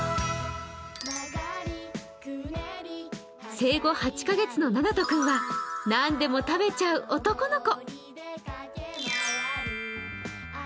生後８カ月のナナト君は何でも食べちゃう男の子。